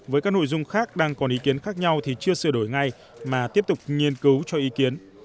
với các nội dung khác đang còn ý kiến khác nhau thì chưa sửa đổi ngay mà tiếp tục nghiên cứu cho ý kiến